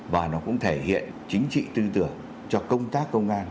và nó cũng thể hiện chính trị tư tưởng cho công tác công an